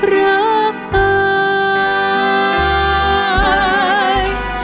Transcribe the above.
รักอาย